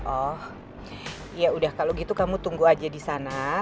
oh yaudah kalau gitu kamu tunggu aja di sana